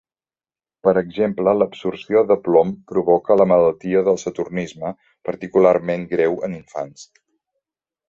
Per exemple l'absorció de plom provoca la malaltia del saturnisme, particularment greu en infants.